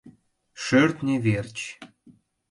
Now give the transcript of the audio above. Шӧртньӧ верч!